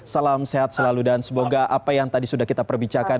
salam sehat selalu dan semoga apa yang tadi sudah kita perbicarakan